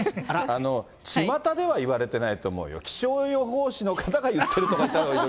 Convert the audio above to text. あの、ちまたではいわれてないと思うよ、気象予報士の方が言ってると言ったほうが。